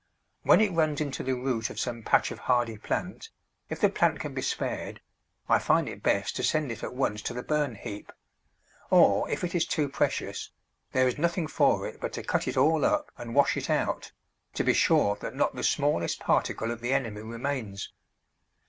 When it runs into the root of some patch of hardy plant, if the plant can be spared, I find it best to send it at once to the burn heap; or if it is too precious, there is nothing for it but to cut it all up and wash it out, to be sure that not the smallest particle of the enemy remains.